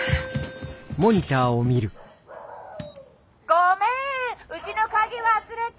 「ごめんうちの鍵忘れた！